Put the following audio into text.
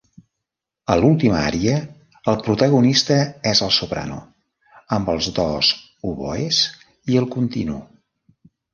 A l'última ària, el protagonista és el soprano amb els dos oboès i el continu.